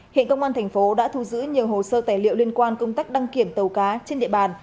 hiện công an thành phố đã thu giữ nhiều hồ sơ tài liệu liên quan công tác đăng kiểm tàu cá trên địa bàn